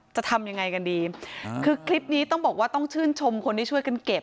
จะทำยังไงกันดีคือคลิปนี้ต้องบอกว่าต้องชื่นชมคนที่ช่วยกันเก็บ